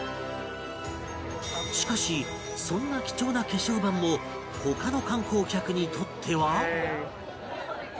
しかしそんな貴重な化粧板も他の観光客にとっては